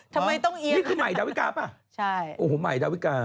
ทำไมต้องเอียง